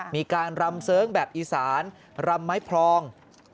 มีการรำเสิร์งแบบอีสานรำไม้พรอง